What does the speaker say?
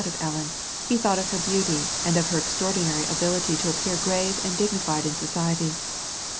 of Ellen, he thought of her beauty, and of her extraordinary ability at appearing grave and dignified in society.